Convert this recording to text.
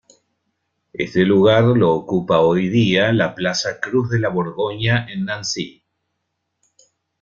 Este lugar lo ocupa hoy día la Plaza Cruz de la Borgoña en Nancy.